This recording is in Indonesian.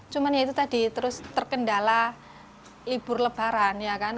cuman ya itu tadi terus terkendala libur lebaran ya kan